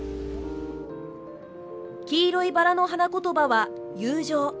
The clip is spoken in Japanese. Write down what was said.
黄色いばらの花言葉は「友情」。